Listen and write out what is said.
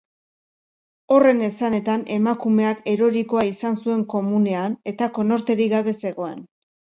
Horren esanetan, emakumeak erorikoa izan zuen komunean, eta konorterik gabe zegoen.